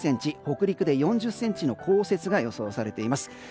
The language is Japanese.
北陸で４０ｃｍの降雪が予想されています。